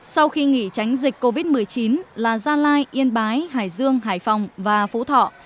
sau khi nghỉ tránh dịch covid một mươi chín là gia lai yên bái hải dương hải phòng và phú thọ